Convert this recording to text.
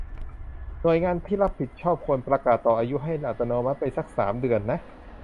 หน่วยงานที่รับผิดชอบควรประกาศต่ออายุให้อัตโนมัติไปสักสามเดือนนะ